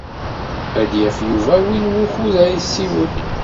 Ad d-yaf Yuba win wukud ad yessiwel.